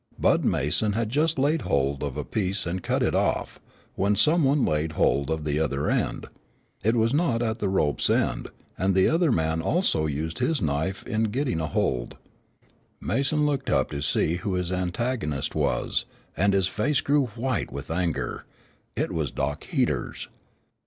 Bud Mason had just laid hold of a piece and cut it off, when some one laid hold of the other end. It was not at the rope's end, and the other man also used his knife in getting a hold. Mason looked up to see who his antagonist was, and his face grew white with anger. It was Dock Heaters.